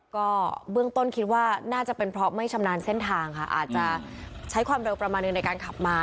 ก็เบื้องต้นคิดว่าน่าจะเป็นเพราะไม่ชำนาญเส้นทางค่ะอาจจะใช้ความเร็วประมาณหนึ่งในการขับมา